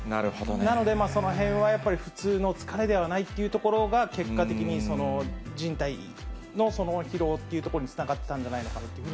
なので、そのへんはやっぱり普通の疲れではないっていうところが、結果的にじん帯の疲労っていうところにつながったんじゃないかな